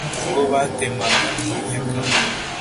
Ubwo batemaga muri Nyakanga